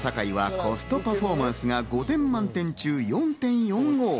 多摩境はコストパフォーマンスが５点満点中４．４５。